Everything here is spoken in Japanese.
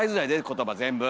言葉全部！